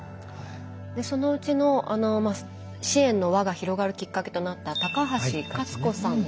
そのうちの支援の輪が広がるきっかけとなった高橋勝子さんですよね。